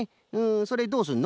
それどうすんの？